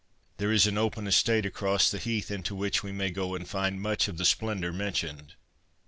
There is an open estate across the heath into which we may go and find much of the splendour mentioned.'